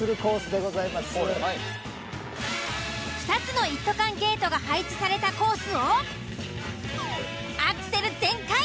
２つの一斗缶ゲートが配置されたコースをアクセル全開！